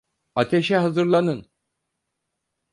Ateşe hazırlanın!